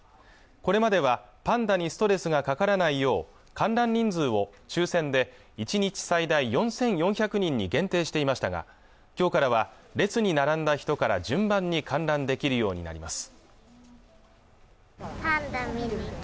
これまではパンダにストレスがかからないよう観覧人数を抽選で１日最大４４００人に限定していましたが今日からは列に並んだ人から順番に観覧できるようになります